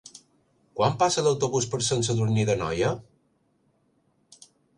Quan passa l'autobús per Sant Sadurní d'Anoia?